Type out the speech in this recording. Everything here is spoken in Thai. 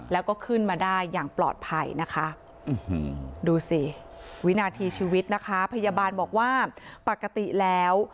แล้วก็ขึ้นมาได้อย่างปลอดภัยนะคะดูสิวินาทีชีวิตนะคะพยาบาลบอกว่าปกติแล้ว